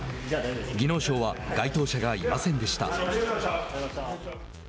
技能賞は該当者がいませんでした。